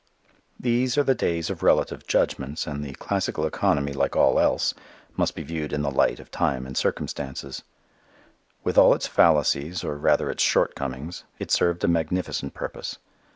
These are the days of relative judgments and the classical economy, like all else, must be viewed in the light of time and circumstance. With all its fallacies, or rather its shortcomings, it served a magnificent purpose.